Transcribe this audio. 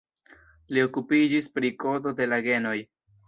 Li okupiĝis pri kodo de la genoj.